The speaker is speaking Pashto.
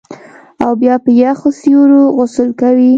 او بیا په یخو سیورو غسل کوي